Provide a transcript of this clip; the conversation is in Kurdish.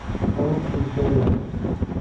Ew bizdiya.